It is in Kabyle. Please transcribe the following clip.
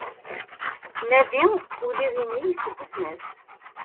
Nadi udiɣ inig seg usnas